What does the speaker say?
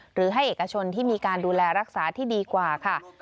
หรือให้เอกชนที่มีการดูแลรักษาที่ดีกว่าค่ะ